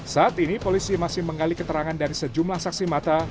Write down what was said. saat ini polisi masih menggali keterangan dari sejumlah saksi mata